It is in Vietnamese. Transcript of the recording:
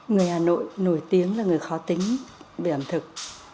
người hà nội nổi tiếng là người khó tính về ẩm thực